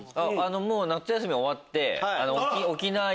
もう夏休み終わって。